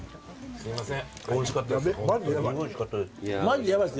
すいません。